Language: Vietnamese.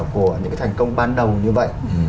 của những thành công ban đầu như vậy